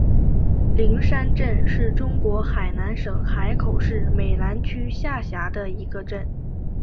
灵山镇是中国海南省海口市美兰区下辖的一个镇。